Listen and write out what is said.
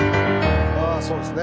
ああそうですね。